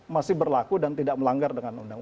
masih berlaku dan tidak melanggar dengan undang undang